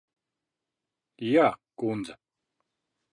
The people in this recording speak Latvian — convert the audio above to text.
Jā, kundze.